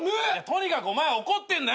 とにかくお前は怒ってんだよ。